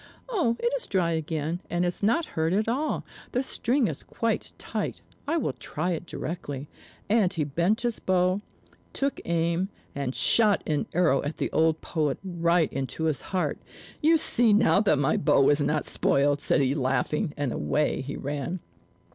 "Oh, it is dry again, and is not hurt at all; the string is quite tight. I will try it directly." And he bent his bow, took aim, and shot an arrow at the old poet, right into his heart. "You see now that my bow was not spoiled," said he laughing; and away he ran.